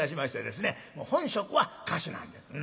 本職は歌手なんです。